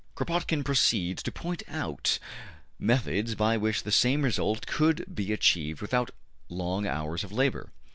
Kropotkin proceeds to point out methods by which the same result could be achieved without long hours of labor.